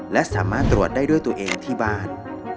และสามารถตรวจได้ด้วยตัวเองที่บ้าน